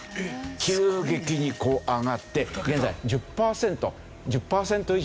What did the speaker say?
急激に上がって現在１０パーセント１０パーセント以上。